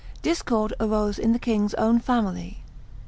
Discord arose in the king's own family.